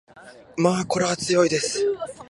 まこーらは強いです